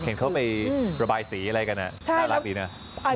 เห็นเขาไประบายสีอะไรกันน่ารักดีนะ